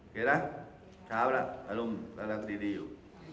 เช้าแล้วอารมณ์รักรักดีอยู่